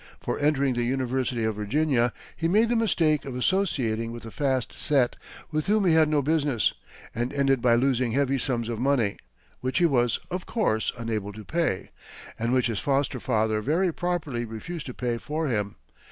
For, entering the University of Virginia, he made the mistake of associating with a fast set, with whom he had no business, and ended by losing heavy sums of money, which he was, of course, unable to pay, and which his foster father very properly refused to pay for him.